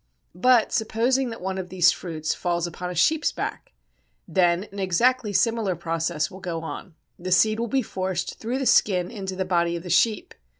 But supposing that one of these fruits falls upon a sheep's back. Then an exactly similar process will go on. The seed will be forced through the skin into the body of the sheep.